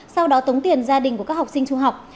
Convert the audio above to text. sau đó tống tiền gia đình của các học sinh trung học